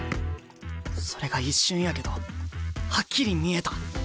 それが一瞬やけどはっきり見えた。